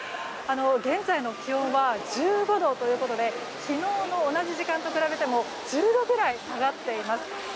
現在の気温は１５度ということで昨日の同じ時間と比べても１０度ぐらい下がっています。